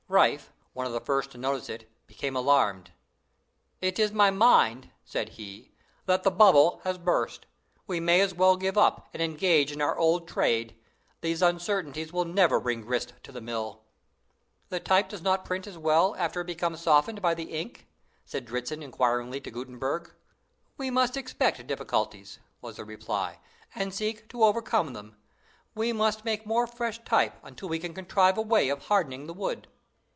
Riffe, one of the first to notice it, became alarmed. "It is my mind," said he, "that the bubble has burst. We may as well give up, and engage in our old trade. These uncertainties will never bring grist to the mill." "The type does not print as well after it becomes softened by the ink?" said Dritzhn inquiringly to Gutenberg. "We must expect difficulties," was the reply, "and seek to overcome them. We must make more fresh type until we can contrive a way of hardening the wood."